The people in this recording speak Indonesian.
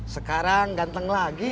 sekarang ganteng lagi